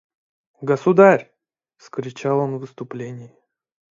«Государь! – закричал он в исступлении.